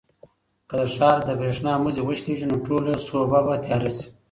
که د ښار د برېښنا مزي وشلېږي نو ټوله سوبه به تیاره شي.